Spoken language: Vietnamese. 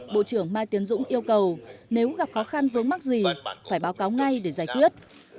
bộ trưởng mai tiến dũng yêu cầu nếu gặp khó khăn vướng mắc gì phải báo cáo ngay để giải quyết